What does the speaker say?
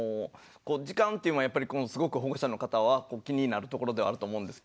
時間っていうのはやっぱりすごく保護者の方は気になるところではあると思うんです。